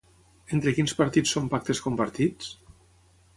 Entre quins partits són pactes compartits?